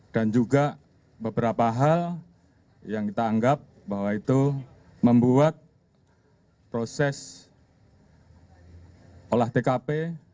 dan juga beberapa hal yang kita anggap bahwa itu membuat proses olah tkp